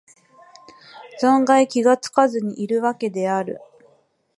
存外気がつかずにいるわけである